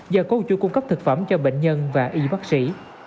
do cấu trụ cung cấp thực phẩm cho bệnh nhân và y bác sĩ